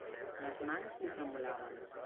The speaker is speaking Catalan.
Les mans li tremolaven.